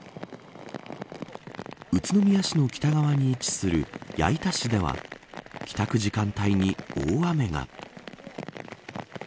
宇都宮市の北側に位置する矢板市では帰宅時間帯に大雨が。